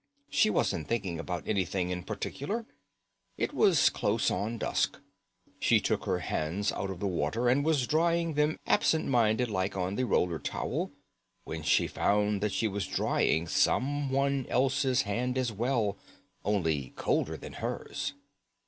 She wasn't thinking about anything in particular. It was close on dusk. She took her hands out of the water and was drying them absent minded like on the roller towel, when she found that she was drying someone else's hand as well, only colder than hers."